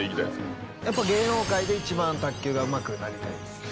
芸能界で一番卓球がうまくなりたいですね。